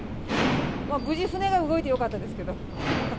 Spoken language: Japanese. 無事、船が動いてよかったですけど。